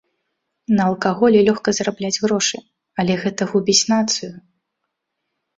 На алкаголі лёгка зарабляць грошы, але гэта губіць нацыю.